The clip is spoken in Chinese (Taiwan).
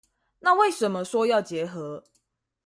那為什麼說要結合